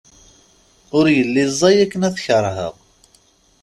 Ur yelli ẓẓay akken ad tkerheḍ.